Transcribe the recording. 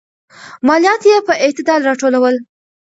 ماليات يې په اعتدال راټولول.